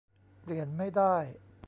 เปลี่ยนไม่ได้